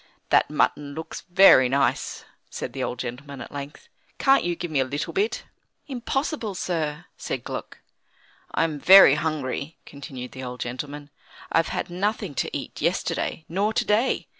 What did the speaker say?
"That mutton looks very nice," said the old gentleman, at length. "Can't you give me a little bit?" "Impossible, sir," said Gluck. "I'm very hungry," continued the old gentleman; "I've had nothing to eat yesterday, nor to day.